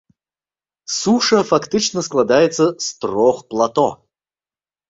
Суша фактычна складаецца з трох плато.